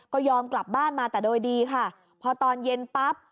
ก็ยอมกลับบ้านมาแต่โดยดีค่ะพอตอนเย็นปั๊บ